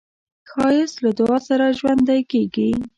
ښایست له دعا سره ژوندی کېږي